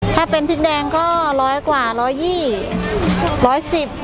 ถ้าเป็นพริกแดงก็ร้อยกว่าร้อยยี่สิบร้อยสิบ